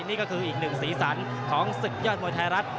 นี้หนึ่งศีรษรของศึกยอดมวยไทยรัฐ